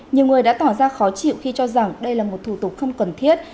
nhiều người đã tỏ ra khó chịu khi cho rằng đây là một thủ tục không cần thiết